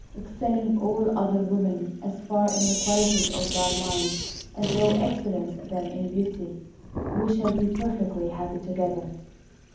Excelling all other women as far in the qualities of thy mind as thou excellest them in beauty, we shall be perfectly happy together."